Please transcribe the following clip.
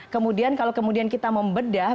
kemudian kalau kita membedah